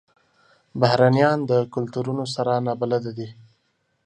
بهرنیان د کلتورونو سره نابلده دي.